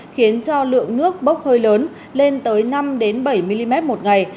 khiến cho lượng nước bốc hơi lớn lên tới năm bảy mm một ngày